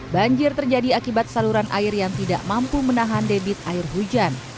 banjir terjadi akibat saluran air yang tidak mampu menahan debit air hujan